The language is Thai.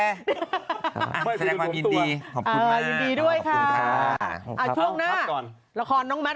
เอาให้จัดงาน